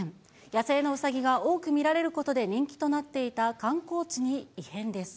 野生のウサギが多く見られることで人気となっていた観光地に異変です。